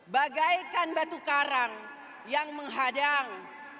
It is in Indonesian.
bagaikan batu karang yang menghadang